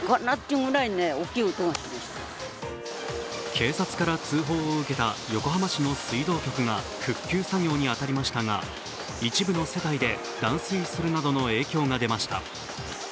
警察から通報を受けた横浜市の水道局が復旧作業に当たりましたが、一部の世帯で断水するなどの影響が出ました。